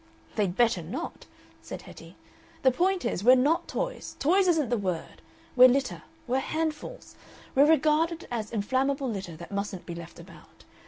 "They'd better not," said Hetty. "The point is we're not toys, toys isn't the word; we're litter. We're handfuls. We're regarded as inflammable litter that mustn't be left about.